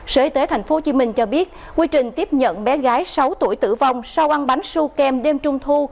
sở y tế tp hcm cho biết quy trình tiếp nhận bé gái sáu tuổi tử vong sau ăn bánh su kem đêm trung thu